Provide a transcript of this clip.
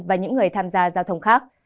và những người tham gia giao thông khác